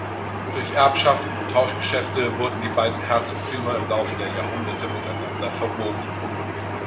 Durch Erbschaften und Tauschgeschäfte wurden die beiden Herzogtümer im Laufe der Jahrhunderte miteinander verwoben.